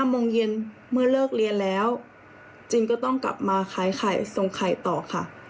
โมงเย็นเมื่อเลิกเรียนแล้วจึงก็ต้องกลับมาขายไข่ทรงไข่ต่อค่ะ